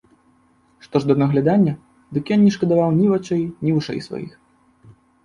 Што ж да наглядання, дык ён не шкадаваў ні вачэй, ні вушэй сваіх.